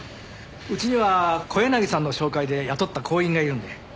うちには小柳さんの紹介で雇った工員がいるんで。